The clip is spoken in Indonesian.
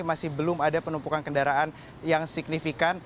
masih belum ada penumpukan kendaraan yang signifikan